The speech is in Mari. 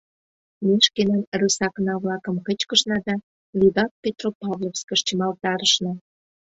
Ме шкенан «рысакна-влакым» кычкышна да вигак Петропавловскыш чымалтарышна.